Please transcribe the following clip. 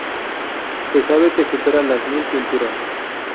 Se sabe que supera las mil pinturas.